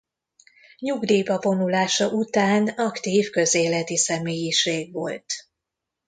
Nyugdíjba vonulása után aktív közéleti személyiség volt.